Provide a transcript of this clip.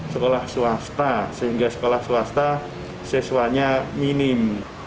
sekolah swasta sehingga sekolah swasta siswanya minim